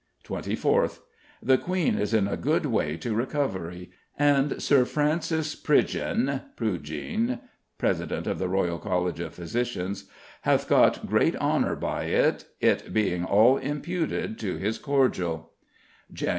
24th: The Queen is in a good way to recovery; and Sir Francis Pridgeon [Prujean, President of the Royal College of Physicians] hath got great honour by it, it being all imputed to his cordiall. Jan.